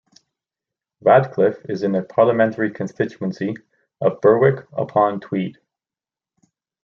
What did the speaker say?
Radcliffe is in the parliamentary constituency of Berwick-upon-Tweed.